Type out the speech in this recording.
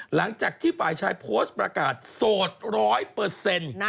หลังจากที่ฝ่ายชายโพสต์ประกาศโสดร้อยเปอร์เซ็นต์